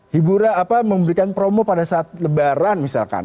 hiburan apa memberikan promo pada saat lebaran misalkan